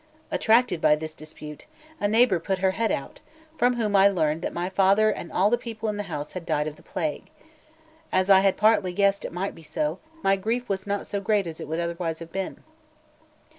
Attracted by this dispute, a neighbour put her head out, from whom I learned that my father and all the people in the house had died of the plague. As I had partly guessed it might be so, my grief was not so great as it would otherwise have been.